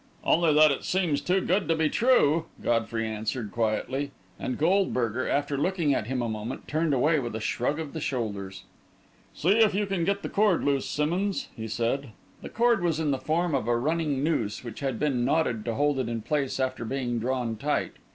"Only that it seems too good to be true," Godfrey answered, quietly, and Goldberger, after looking at him a moment, turned away with a shrug of the shoulders. "See if you can get the cord loose, Simmonds," he said. The cord was in the form of a running noose, which had been knotted to hold it in place after being drawn tight.